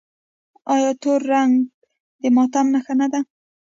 آیا تور رنګ د ماتم نښه نه ده؟